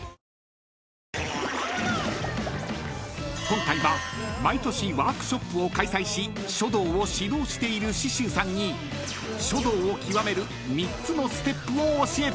［今回は毎年ワークショップを開催し書道を指導している紫舟さんに書道を極める３つのステップを教えていただきます］